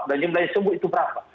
jumlah yang sembuh itu berapa